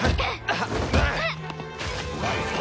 あっ！